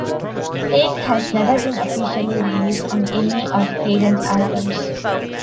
"Take" has never been officially released on any of Hayden's albums.